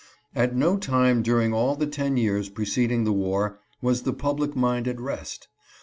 At no time during all the ten years preceding the war was the public mind at rest.